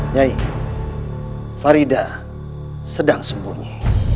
nyai farida sedang sembunyi